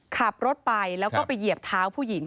ขับรถไปแล้วก็ไปเหยียบเท้าผู้หญิง